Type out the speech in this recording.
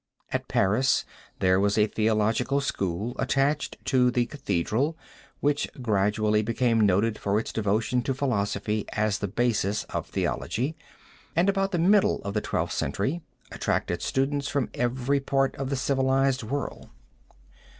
At Paris there was a theological school attached to the cathedral which gradually became noted for its devotion to philosophy as the basis of theology, and, about the middle of the Twelfth Century, attracted students from every part of the civilized world.